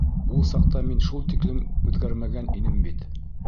Ул саҡта мин шул тиклем үҙгәрмәгән инем бит.